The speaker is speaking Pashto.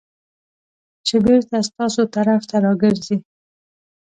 چې بېرته ستاسو طرف ته راګرځي .